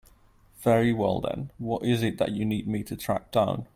Very well then, what is it that you need me to track down?